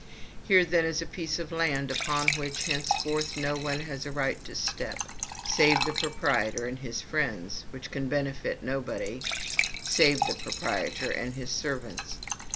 Here, then, is a piece of land upon which, henceforth, no one has a right to step, save the proprietor and his friends; which can benefit nobody, save the proprietor and his servants.